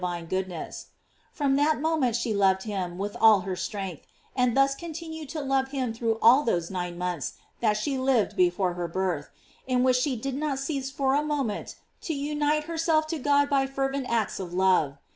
GLORIES OF MARY 385 strength, and thus continued to love him through all those nine months that she lived before her birth, in which she did not cease for a moment to unite herself to God by fervent acts of love.